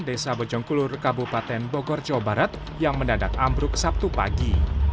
desa bojongkulur kabupaten bogor jawa barat yang mendadak ambruk sabtu pagi